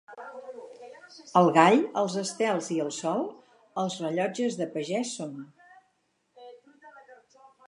El gall, els estels i el sol, els rellotges del pagès són.